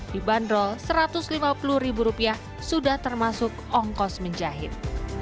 dibanderol rp satu ratus lima puluh ribu rupiah sudah termasuk ongkos menjahit